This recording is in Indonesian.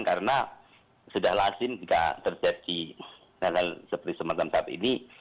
karena sudah lazim kita terjadi hal hal seperti semacam saat ini